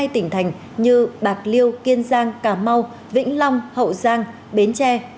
một mươi tỉnh thành như bạc liêu kiên giang cà mau vĩnh long hậu giang bến tre